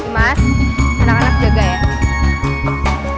emas anak anak jaga ya